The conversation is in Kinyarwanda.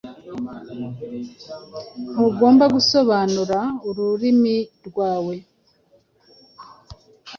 Ntugomba gusobanura Ururimi rwawe